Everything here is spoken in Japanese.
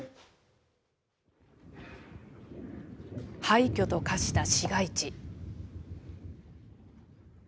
廃虚と化した市街地。